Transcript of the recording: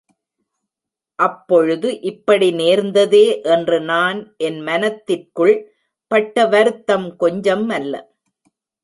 அப்பொழுது இப்படி நேர்ந்ததே என்று நான் என் மனத்திற்குள் பட்ட வருத்தம் கொஞ்சம் அல்ல.